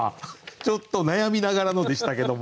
ちょっと悩みながらのでしたけども。